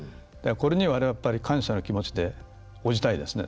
これには、やっぱり感謝の気持ちで応じたいですね。